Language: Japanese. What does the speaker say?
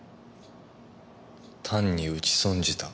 単に撃ち損じた。